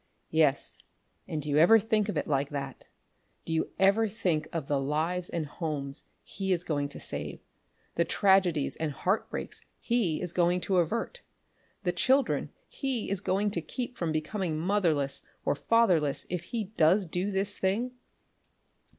"Yes, and do you ever think of it like that? Do you ever think of the lives and homes he is going to save; the tragedies and heartbreaks he is going to avert; the children he is going to keep from being motherless or fatherless if he does do this thing?